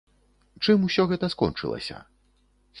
Чым усё гэта скончылася?